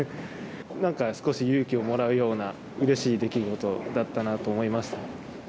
なんか少し勇気をもらうような、うれしい出来事だったなと思いました。